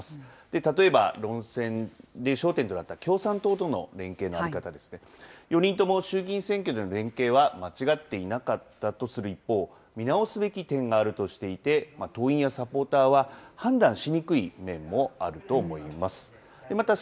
例えば、論戦で焦点となった共産党との連携の在り方ですが、４人とも衆議院選挙での連携は間違っていなかったとする一方、見直すべき点があるとしていて、党員やサポーターは判断しにくい面もあると思います。